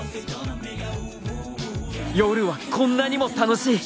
［夜はこんなにも楽しい］